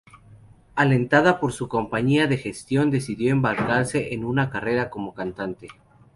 Alentada por su compañía de gestión, decidió embarcarse en una carrera como cantante.